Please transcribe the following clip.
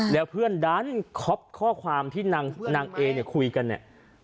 แล้วเพื่อนดันคอปข้อความที่นางเอเนี่ยคุยกันเนี่ย